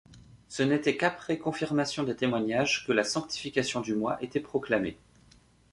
Ce n'était qu'après confirmation des témoignages que la sanctification du mois était proclamée.